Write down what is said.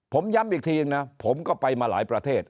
ผมย้ำอีกทีนะผมก็ไปมาหลายประเทศ